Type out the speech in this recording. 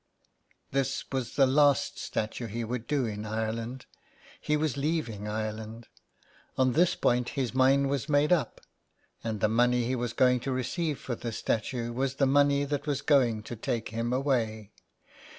This was the last statue he would do in Ire land. He was leaving Ireland. On this point his mind was made up, and the money he was going to receive for this statue was the money that was going to take him away.